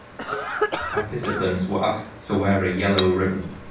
Participants were asked to wear a yellow ribbon.